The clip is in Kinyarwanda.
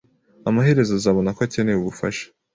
Amaherezo, azabona ko akeneye ubufasha.